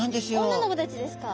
女の子たちですか。